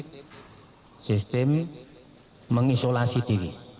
kemudian sistem mengisolasi diri